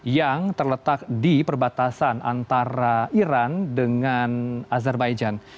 yang terletak di perbatasan antara iran dengan azerbaijan